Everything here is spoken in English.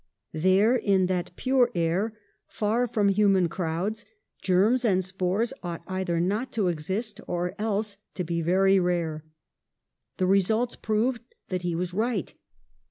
There, in that pure air, far from human crowds, germs and spores ought either not to exist or else to be very rare. The results proved that he was right.